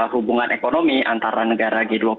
hubungan ekonomi antara negara g dua puluh